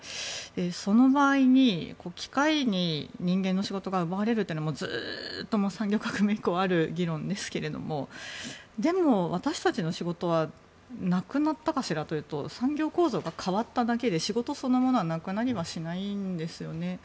その場合に機械に人間の仕事が奪われるっていうのはずっと産業革命以降ある議論ですけどでも、私たちの仕事はなくなったかしらというと産業構造が変わっただけで仕事そのものはなくなりはしないんですよね。